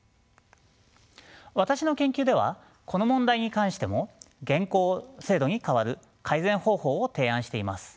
私の研究ではこの問題に関しても現行制度に代わる改善方法を提案しています。